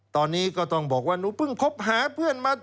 ตอนนี้ก็ต้องบอกว่าหนูเพิ่งคบหาเพื่อนมา